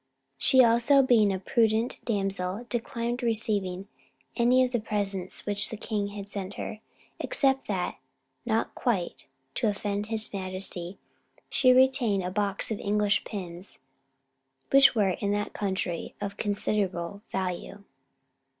She also, being a prudent damsel, declined receiving any of the presents which the king had sent her; except that, not quite to offend his majesty, she retained a box of English pins, which were in that country of considerable value.